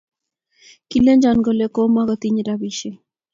Kilenjon kole komakotinyei rapisyek.